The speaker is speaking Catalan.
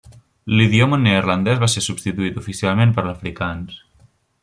L'idioma neerlandès va ser substituït oficialment per l'afrikaans.